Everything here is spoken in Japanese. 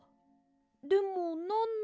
でもなんの。